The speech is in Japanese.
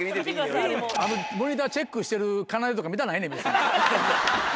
あのモニターチェックしてるかなでとか見たないねん別に。